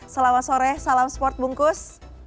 selamat sore salam sport bungkus